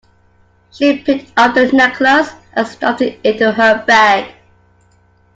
She picked up the necklace and stuffed it into her bag